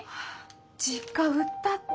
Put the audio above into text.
実家売ったって。